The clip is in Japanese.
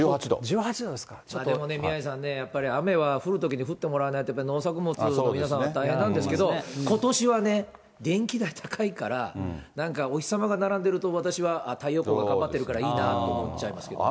でもね、宮根さん、雨は降るときに降ってもらわないと、農作物の皆さんは大変なんですけど、ことしはね、電気代高いから、なんかお日様が並んでると、私はあっ、太陽光が頑張ってるからいいなって思っちゃいますけどね。